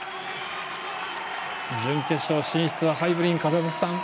準決勝進出はハイブリンカザフスタン。